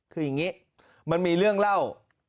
คืออย่างนี้มันมีเรื่องเล่า